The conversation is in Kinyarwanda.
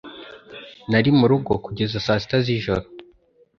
Nari murugo kugeza saa sita z'ejo.